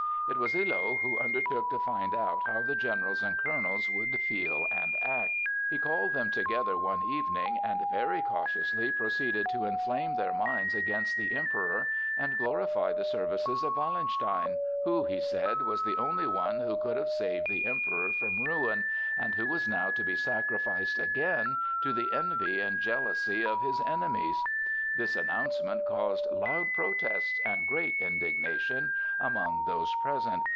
It was Illo who undertook to find out how the generals and colonels would feel and act; he called them together one evening and very cautiously proceeded to inflame their minds against the Emperor and glorify the services of Wallenstein, who, he said, was the only one who could have saved the Emperor from ruin, and who was now to be sacrificed again to the envy and jealousy of his enemies. This announcement caused loud protests and great indignation among those present.